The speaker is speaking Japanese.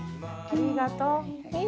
ありがとう。